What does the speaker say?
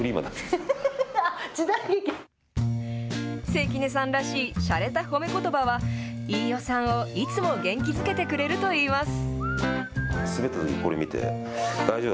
関根さんらしいしゃれた褒めことばは、飯尾さんをいつも元気づけてくれるといいます。